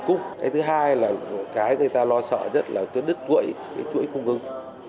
cái thứ hai là cái người ta lo sợ nhất là cứ đứt gũi chuỗi cung ứng